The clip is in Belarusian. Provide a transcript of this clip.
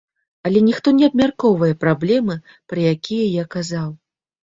Але ніхто не абмяркоўвае праблемы, пра якія я казаў.